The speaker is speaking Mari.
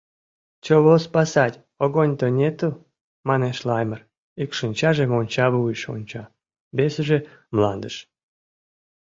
— Чово спасать, огонь-то нету! — манеш Лаймыр, ик шинчаже монча вуйыш онча, весыже — мландыш.